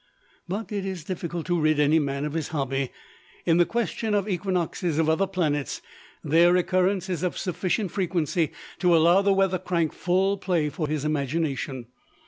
But it is difficult to rid any man of his hobby. In the question of the equinoxes of other planets, their recurrence is of sufficient frequency to allow the weather crank full play for his imagination.